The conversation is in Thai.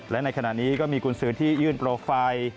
และในขณะนี้ก็มีกุญสือที่ยื่นโปรไฟล์